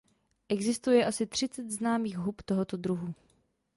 Existuje asi třicet známých hub tohoto druhu.